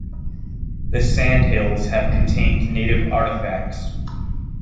The sand hills have contained native artifacts.